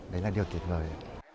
đấy là điều tuyệt vời